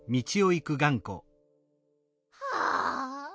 はあ。